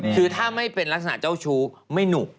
คือถ้าไม่เป็นลักษณะเจ้าชู้ไม่หนุก